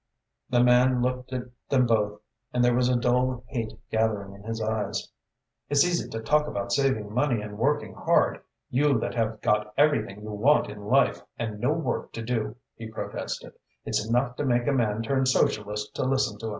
The man looked at them both and there was a dull hate gathering in his eyes. "It's easy to talk about saving money and working hard, you that have got everything you want in life and no work to do," he protested "It's enough to make a man turn Socialist to listen to un."